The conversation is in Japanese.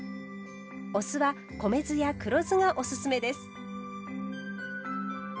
お酢は米酢や黒酢がおすすめです。